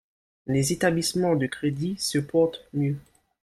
Les établissements de crédit se portent mieux.